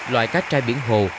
loại cá trai biển hồ